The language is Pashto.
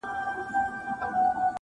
o پښتانه چي له قلم سره اشنا کړو,